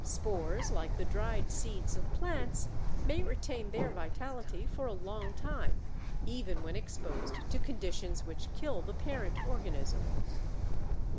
Spores, like the dried seeds of plants, may retain their vitality for a long time, even when exposed to conditions which kill the parent organism.